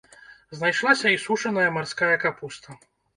Знайшлася і сушаная марская капуста.